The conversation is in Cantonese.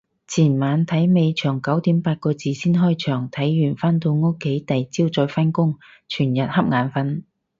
前晚睇尾場九點八個字先開場，睇完返到屋企第朝再返工，全日恰眼瞓